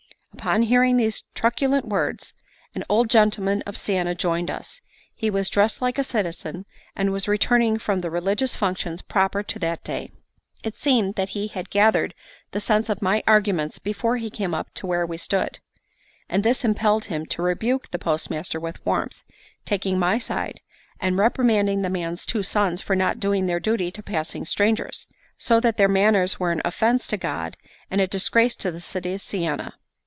Upon hearing these truculent words, an old gentleman of Siena joined us; he was dressed like a citizen, and was returning from the religious functions proper to that day. It seems that he had gathered the sense of my arguments before he came up to where we stood; and this impelled him to rebuke the postmaster with warmth, taking my side, and reprimanding the man's two sons for not doing their duty to passing strangers; so that their manners were an offence to God and a disgrace to the city of Siena.